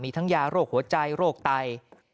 ทั้งยาโรคหัวใจโรคไต